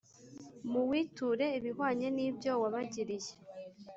Muwiture ibihwanye n’ibyo wabagiriye,